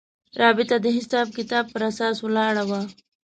رابطه د حساب کتاب پر اساس ولاړه وه.